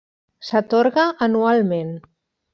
S'atorga anualment.